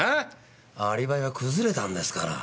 アリバイが崩れたんですから。